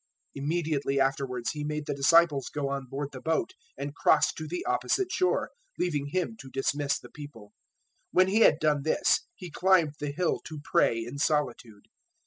014:022 Immediately afterwards He made the disciples go on board the boat and cross to the opposite shore, leaving Him to dismiss the people. 014:023 When He had done this, He climbed the hill to pray in solitude.